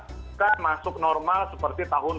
bukan masuk normal seperti tahun dua ribu sembilan belas